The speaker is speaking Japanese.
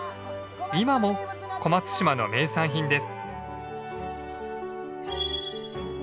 今も小松島の名産品です。